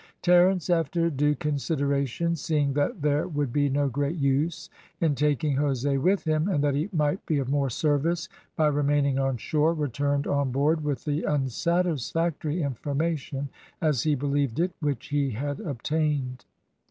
Terence, after due consideration, seeing that there would be no great use in taking Jose with him, and that he might be of more service by remaining on shore, returned on board with the unsatisfactory information, as he believed it, which he had obtained.